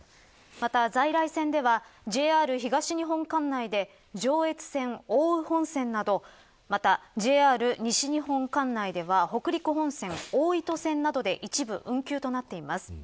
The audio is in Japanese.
また、在来線ではＪＲ東日本管内で上越線、奥羽本線などまたＪＲ西日本管内では北陸本線、大糸線などで一部運休となっています。